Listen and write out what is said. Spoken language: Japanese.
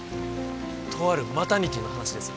とあるマタニティーの話です